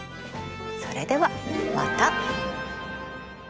それではまた。